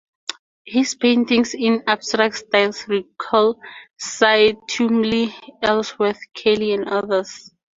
His paintings in abstract styles recall Cy Twombly, Ellsworth Kelly and others.